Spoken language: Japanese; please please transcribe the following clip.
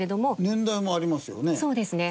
年代もありますよね？